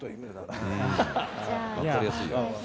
うん分かりやすいよ。